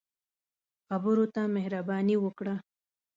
خبرو ته مهرباني ورکړه